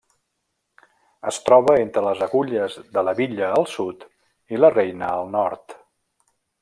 Es troba entre les agulles de La Bitlla al sud i La Reina al nord.